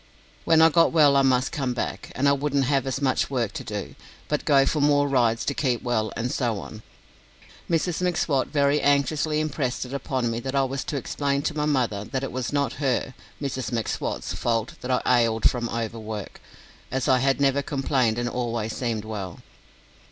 When I got well I must come back, and I wouldn't have as much work to do, but go for more rides to keep well, and so on. Mrs M'Swat very anxiously impressed it upon me that I was to explain to my mother that it was not her (Mrs M'Swat's) fault that I "ailed" from overwork, as I had never complained and always seemed well.